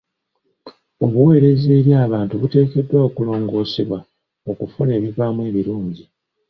Obuweereza eri abantu buteekeddwa okulongoosebwa okufuna ebivaamu ebirungi.